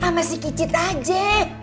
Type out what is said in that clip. sama si kicit aja